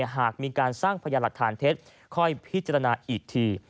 หากมีการสร้างพยานหลักฐานเท็จค่อยพิจารณาอีกที